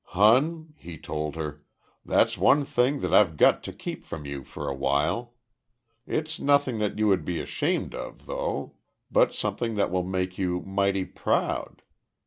"Hon," he told her, "that's one thing that I've got to keep from you for a while. It's nothing that you would be ashamed of, though, but something that will make you mighty proud.